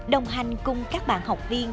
đồng hành cùng các bạn học viên